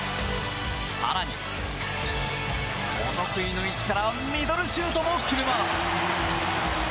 更に、この位置からミドルシュートも決めます。